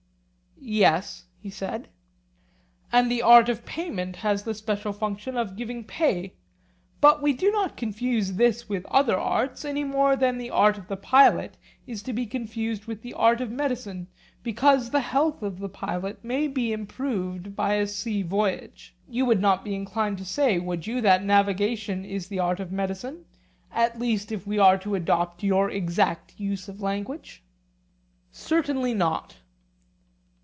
Yes, he said. And the art of payment has the special function of giving pay: but we do not confuse this with other arts, any more than the art of the pilot is to be confused with the art of medicine, because the health of the pilot may be improved by a sea voyage. You would not be inclined to say, would you, that navigation is the art of medicine, at least if we are to adopt your exact use of language? Certainly not.